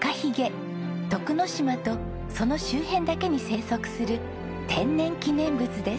徳之島とその周辺だけに生息する天然記念物です。